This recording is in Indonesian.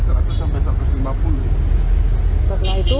setelah itu tidak ada lagi